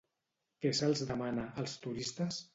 Què se'ls demana, als turistes?